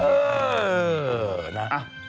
เออเออนะ